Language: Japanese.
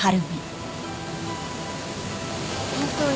本当に。